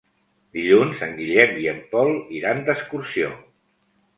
Dilluns en Guillem i en Pol iran d'excursió.